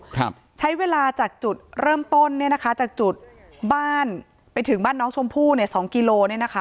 ครับใช้เวลาจากจุดเริ่มต้นเนี้ยนะคะจากจุดบ้านไปถึงบ้านน้องชมพู่เนี่ยสองกิโลเนี่ยนะคะ